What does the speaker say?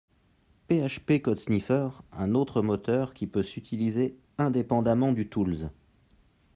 PHP Code Sniffer un autre moteur, qui peut s'utiliser indépendement du Tools